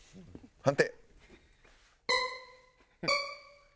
判定。